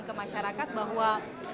ke masyarakat bahwa